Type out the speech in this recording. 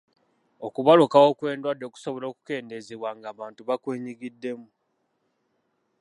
Okubalukawo kw'endwadde kusobola okukeendezebwa ng'abantu bakwenyigiddemu.